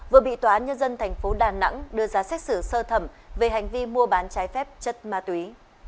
vừa bị tòa nhân dân thành phố đà nẵng đưa ra xét xử sơ thẩm về hành vi mua bán trái phép chất ma túy